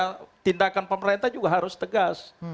kebijakan pemerintah juga harus tegas